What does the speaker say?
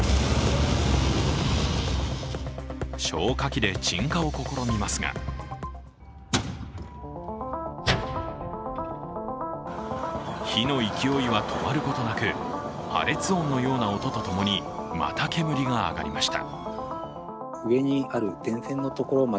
消火器で鎮火を試みますが火の勢いは止まることなく、破裂音のような音とともにまた煙が上がりました。